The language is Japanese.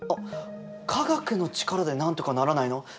科学の力でなんとかならないの？